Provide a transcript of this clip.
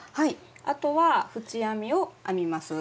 あとは縁編みを編みます。